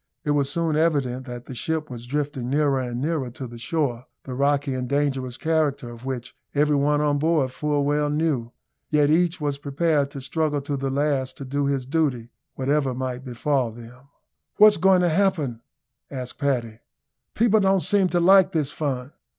It was soon evident that the ship was drifting nearer and nearer to the shore, the rocky and dangerous character of which every one on board full well knew, yet each was prepared to struggle to the last to do his duty, whatever might befall them. "What's going to happen?" asked Paddy. "People don't seem to like this fun."